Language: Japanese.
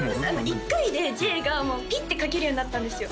一回で「Ｊ」がピッて書けるようになったんですよ